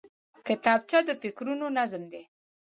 کتابچه د فکرونو نظم دی